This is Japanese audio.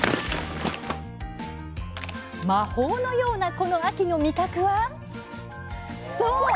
魔法のようなこの秋の味覚はそう！